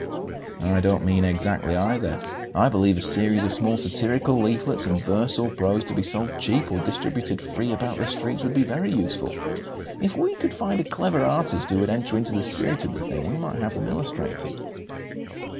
"I don't mean exactly either. I believe a series of small satirical leaflets, in verse or prose, to be sold cheap or distributed free about the streets, would be very useful. If we could find a clever artist who would enter into the spirit of the thing, we might have them illustrated."